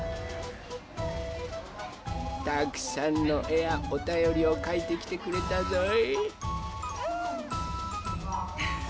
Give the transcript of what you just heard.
たくさんのえやおたよりをかいてきてくれたぞい。